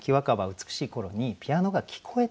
美しい頃にピアノが聞こえてくるみたいな。